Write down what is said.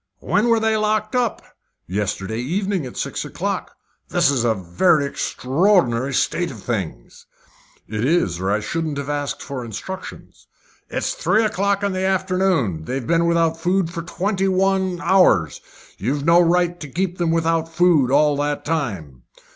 "When were they locked up?" "Yesterday evening at six o'clock." "This is a very extraordinary state of things." "It is, or I shouldn't have asked for instructions." "It's now three o'clock in the afternoon. They've been without food for twenty one hours. You've no right to keep them without food all that time."